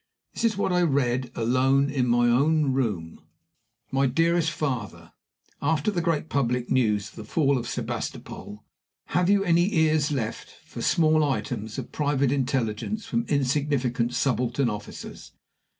This is what I read alone in my own room: "MY DEAREST FATHER After the great public news of the fall of Sebastopol, have you any ears left for small items of private intelligence from insignificant subaltern officers?